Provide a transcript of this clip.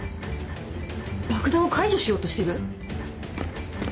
爆弾を解除しようとしてる？